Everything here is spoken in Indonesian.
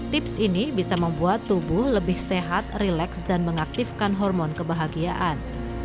tips ini bisa membuat tubuh lebih sehat rileks dan mengaktifkan hormon kebahagiaan